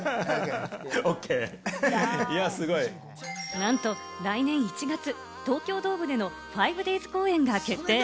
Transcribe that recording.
なんと来年１月、東京ドームでの５デイズ公演が決定。